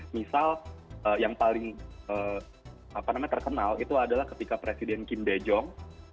misal yang paling terkenal itu adalah ketika presiden kim bee jong